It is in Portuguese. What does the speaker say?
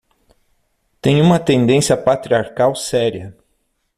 Tem uma tendência patriarcal séria